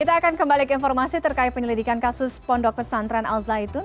kita akan kembali ke informasi terkait penyelidikan kasus pondok pesantren al zaitun